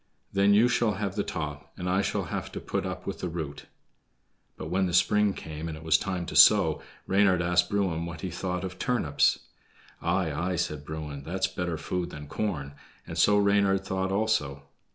Then you shall have the top, and I shall have to put up with the root." But when the spring came, and it was time to sow, Reynard asked Bruin what he thought of turnips. "Aye, aye!" said Bruin, "that's better food than corn"; and so Reynard thought also.